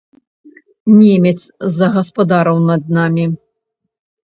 Немец загаспадарыў над намі.